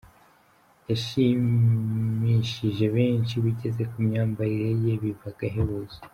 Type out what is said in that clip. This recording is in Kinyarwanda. Yashimishije benshi bigeze ku myambarire ye biba agahebuzo.